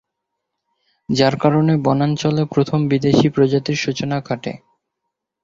যার কারণে বনাঞ্চলে প্রথম বিদেশি প্রজাতির সূচনা ঘটে।